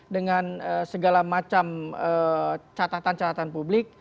dengan segala macam catatan catatan publik